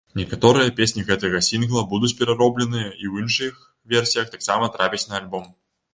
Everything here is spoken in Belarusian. Некаторыя песні гэтага сінгла будуць пераробленыя, і ў іншых версіях таксама трапяць на альбом.